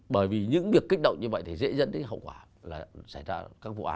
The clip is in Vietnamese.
bởi vì những việc kích động như vậy thì dễ dẫn đến hậu quả